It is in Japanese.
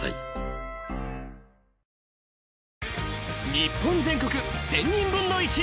［『日本全国１０００人分の１位』］